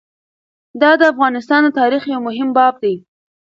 دا د افغانستان د تاریخ یو مهم باب دی.